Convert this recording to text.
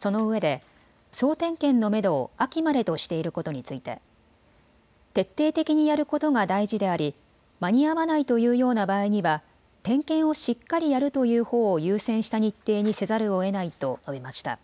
そのうえで総点検のめどを秋までとしていることについて徹底的にやることが大事であり間に合わないというような場合には点検をしっかりやるというほうを優先した日程にせざるをえないと述べました。